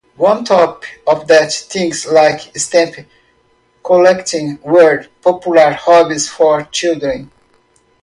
On top of that, things like stamp collecting were popular hobbies for children.